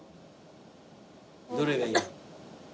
どれがいいの？